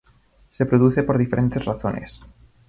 Se produce por diferentes razones.